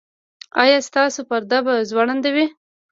ایا ستاسو پرده به ځوړنده وي؟